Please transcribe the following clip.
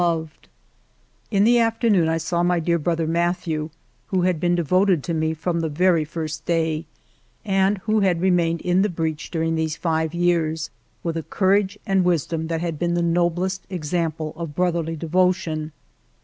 ALFRED DREYFUS 303 In the afternoon I saw my dear brother Mathieu, who had been devoted to me from the very first day, and who had remained in the breach during these five years, with a courage and wisdom that had been the noblest example of brotherly devotion.